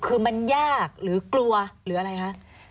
คือมันยากหรือกลัวหรืออะไรคะ